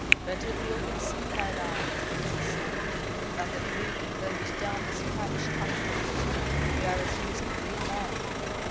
"Better the open sea, my lads," he said, "than the brig and those damned Spanish cut throats. We are at least free men.